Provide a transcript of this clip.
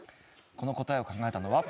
この答えを考えたのは。